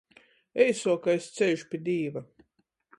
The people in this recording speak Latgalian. Eisuokais ceļš pi Dīva.